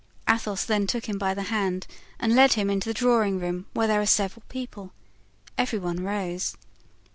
Athos then took him by the hand and led him into the drawing room, where there were several people. Every one arose.